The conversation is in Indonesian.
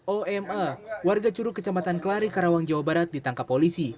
oma warga curug kecamatan kelari karawang jawa barat ditangkap polisi